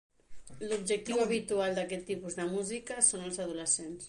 L'objectiu habitual d'aquest tipus de música són els adolescents.